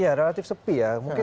ya relatif sepi ya